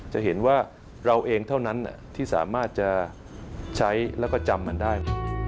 จะเห็นว่าเราเองเท่านั้นที่สามารถจะใช้แล้วก็จำมันได้